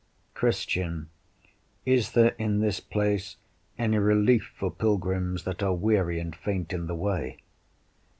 Christian Is there in this place any relief for pilgrims that are weary and faint in the way?